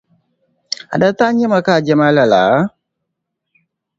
A dataa n-nyɛ ma ka a je ma lala?